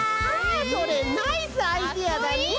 それナイスアイデアだね！